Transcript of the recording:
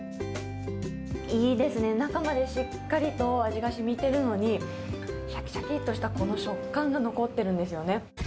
いいですね、中までしっかりと味がしみてるのに、しゃきしゃきっとしたこの食感が残ってるんですよね。